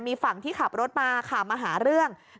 มีฝั่งที่ขับรถมาค่ะมาหาเรื่อง